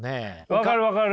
分かる分かる！